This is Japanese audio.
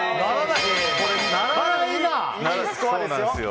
いいスコアですよ。